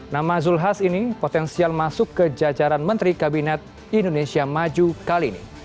nama zulkifli hasan ini potensial masuk ke jajaran menteri kabinet indonesia maju kali ini